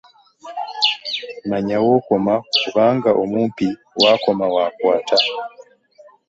Manya w'okoma kubanga omumpi w'akoma w'akwata.